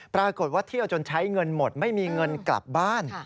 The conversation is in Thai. ปรากฏว่าเที่ยวจนใช้เงินหมดไม่มีเงินกลับบ้าน